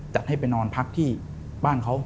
จัดให้ไปนอนพักที่บ้านเขา